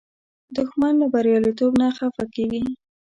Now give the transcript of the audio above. دښمن له بریالیتوب نه خفه کېږي